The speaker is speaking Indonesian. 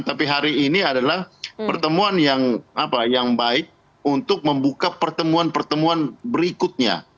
tapi hari ini adalah pertemuan yang baik untuk membuka pertemuan pertemuan berikutnya